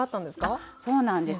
あそうなんです。